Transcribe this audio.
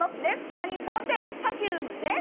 ３人揃ってＰｅｒｆｕｍｅです。